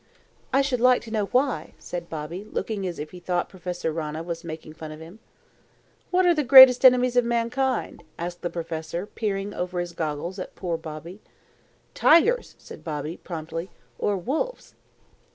"I should like to know why," said Bobby, looking as if he thought Professor Rana was making fun of him. "What are the greatest enemies of mankind?" asked the professor, peering over his goggles at poor Bobby. "Tigers," said Bobby, promptly; "or wolves."